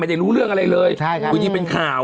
ได้รู้เรื่องอะไรเลยอยู่ดีเป็นข่าว